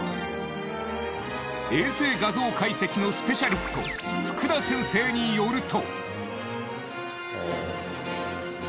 衛星画像解析のスペシャリスト福田先生によると。